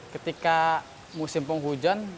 ketika musim penghujan